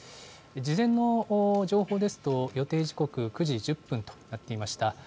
事前の情報ですと、予定時刻９時１０分となっていました。